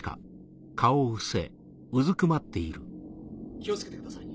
・気をつけてください